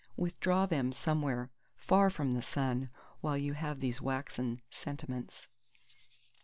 Withdraw then somewhere far from the sun, while you have these waxen sentiments.